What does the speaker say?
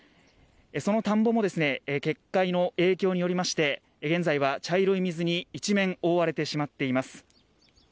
その田んぼも決壊の影響によりまして現在は茶色い水に一面、覆われてしまっています。